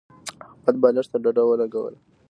احمد بالښت ته ډډه ولګوله.